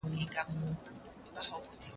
په مذهب کي ځیني شیان یوازي په ایمان منل کېږي.